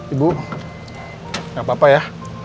ibu nggak apa apa ya